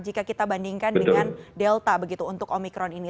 jika kita bandingkan dengan delta begitu untuk omikron ini